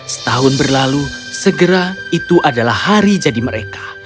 setahun berlalu segera itu adalah hari jadi mereka